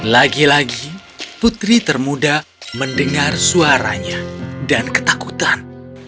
lagi lagi putri termuda mendengar suaranya dan ketakutan